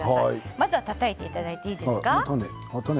まずは、たたいていただいていいですか。